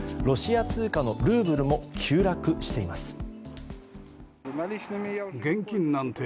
ロシア通貨のルーブルも急落しています。